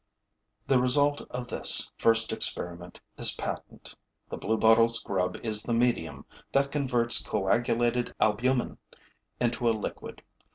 The result of this first experiment is patent: the Bluebottle's grub is the medium that converts coagulated albumen into a liquid.